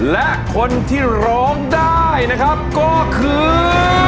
และคนที่ร้องได้นะครับก็คือ